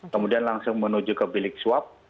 kemudian langsung menuju ke bilik swab